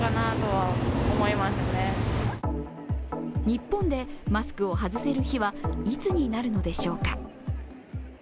日本でマスクを外せる日はいつになるのでしょうか。